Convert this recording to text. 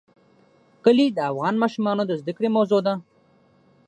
کلي د افغان ماشومانو د زده کړې موضوع ده.